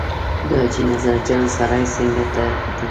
د حاجي نظر جان سرای څنګ ته دی.